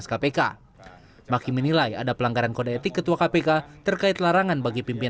sepertinya menyampaikan itu ingin pamit